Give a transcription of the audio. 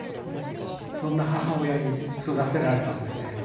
そんな母親に育てられたんでね。